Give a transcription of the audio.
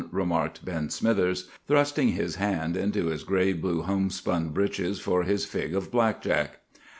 remarked Ben Smithers, thrusting his hand into his gray blue homespun breeches for his fig of 'black jack.